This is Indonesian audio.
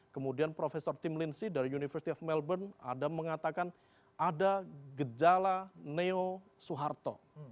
kemudian prof tim lindsay dari university of melbourne adam mengatakan ada gejala neo suharto